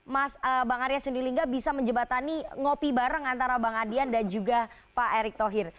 mas bang arya sundilingga bisa menjebatani ngopi bareng antara bang adian dan juga pak erick thohir